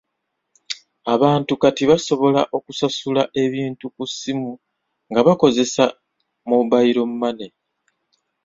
Abantu kati basobola okusasula ebintu ku ssimu nga bakozesa mobayiro mmane.